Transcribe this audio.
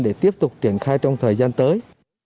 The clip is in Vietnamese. để tiếp tục triển khai trong thời gian tới